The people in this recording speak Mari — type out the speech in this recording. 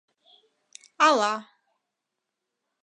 Ала…